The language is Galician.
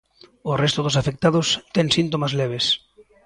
O resto dos afectados ten síntomas leves.